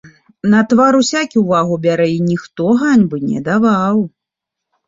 На твар усякі ўвагу бярэ, й ніхто ганьбы не даваў.